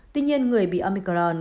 tuy nhiên người bị omicron